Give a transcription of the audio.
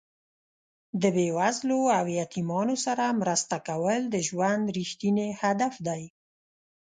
د بې وزلو او یتیمانو سره مرسته کول د ژوند رښتیني هدف دی.